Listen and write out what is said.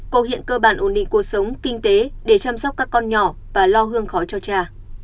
cô hiện cơ bản ổn định cuộc sống kinh tế để chăm sóc các con nhỏ và lo hương khói cho cha